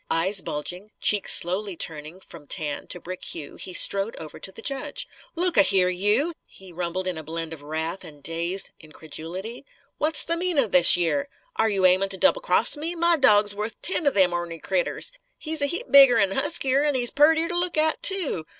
Eyes bulging, cheeks slowly turning from tan to brick hue, he strode over to the judge. "Look a here, you!" he rumbled in a blend of wrath and dazed incredulity. "What's the meanin' of this yer? Are you aimin' to doublecross me? My dawg's wuth ten of them ornery critters. He's a heap bigger'n an' huskier, an' he's purtier to look at, too!